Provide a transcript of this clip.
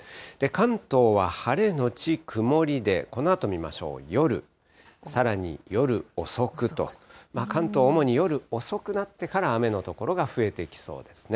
関東は晴れ後曇りで、このあと見ましょう、夜、さらに夜遅くと、関東、主に夜遅くなってから雨の所が増えてきそうですね。